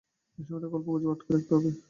এই সময়টা গল্পগুজবে আটকে রাখতে হবে।